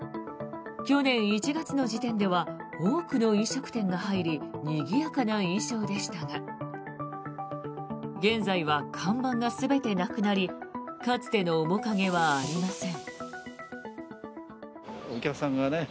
去年１月の時点では多くの飲食店が入りにぎやかな印象でしたが現在は看板が全てなくなりかつての面影はありません。